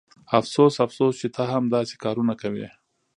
افسوس افسوس چې ته هم داسې کارونه کوې